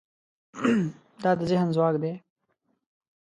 دا د ذهن ځواک دی.